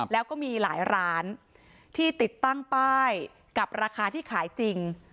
แล้วก็มีหลายร้านที่ติดตั้งป้ายกับราคาที่ขายจริง